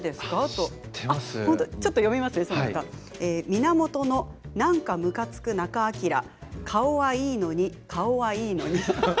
源のなんかむかつく仲章顔はいいのに、顔はいいのに。